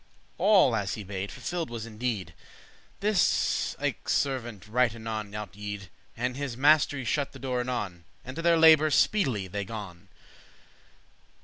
All, as he bade, fulfilled was in deed. This ilke servant right anon out yede,* *went And his master y shut the door anon, And to their labour speedily they gon.